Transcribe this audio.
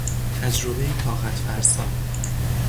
تجربهای طاقت فرسا